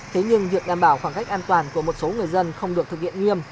thế nhưng việc đảm bảo khoảng cách an toàn của một số người dân không được thực hiện nghiêm